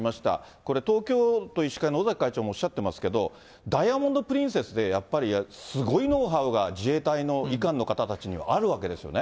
これ、東京都医師会の尾崎会長もおっしゃってますけど、ダイヤモンドプリンセスでやっぱり、すごいノウハウが自衛隊の医官の方たちにはあるわけですよね。